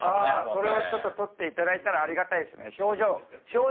それをちょっと取っていただいたらありがたいですね。